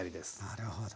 なるほど。